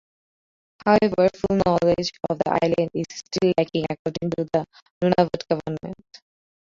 However, full knowledge of the island is still lacking according to the Nunavut government.